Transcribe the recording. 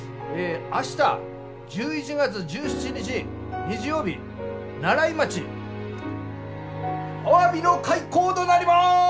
明日１１月１７日日曜日西風町アワビの開口となります！